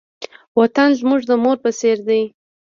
وطن زموږ د مور په څېر دی.